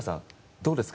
どうですか？